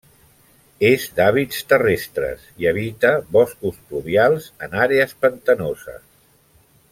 És d'hàbits terrestres i habita boscos pluvials, en àrees pantanoses.